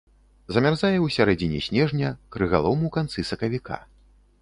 Замярзае ў сярэдзіне снежня, крыгалом у канцы сакавіка.